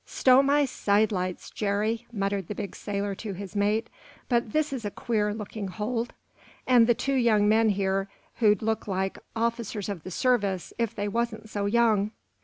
"Stow my sidelights, Jerry," muttered the big sailor to his mate, "but this is a queer looking hold! And two young men here who'd look like officers of the service, if they wasn't so young."